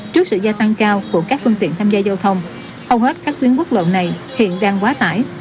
trước sự gia tăng cao của các phương tiện tham gia giao thông hầu hết các tuyến quốc lộ này hiện đang quá tải